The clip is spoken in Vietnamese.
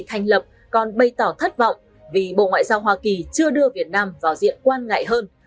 thành lập còn bày tỏ thất vọng vì bộ ngoại giao hoa kỳ chưa đưa việt nam vào diện quan ngại hơn